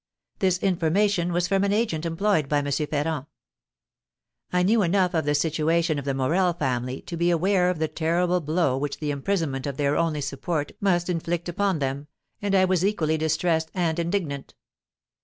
This information was from an agent employed by M. Ferrand. I knew enough of the situation of the Morel family to be aware of the terrible blow which the imprisonment of their only support must inflict upon them, and I was equally distressed and indignant.